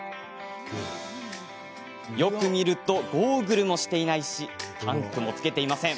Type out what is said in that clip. よく見るとゴーグルもしてないしタンクもつけてない。